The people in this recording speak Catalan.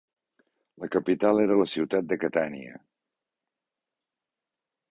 La capital era la ciutat de Catània.